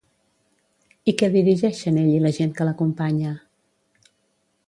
I què dirigeixen ell i la gent que l'acompanya?